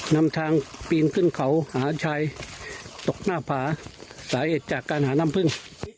นำทางปีนขึ้นเขาหาชัยตกหน้าผาสาเหตุจากการหาน้ำพึ่ง